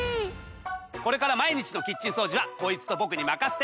これから毎日のキッチン掃除はこいつと僕に任せて！